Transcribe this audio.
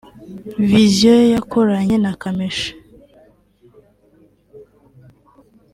‘Vision’ yakoranye na Kamichi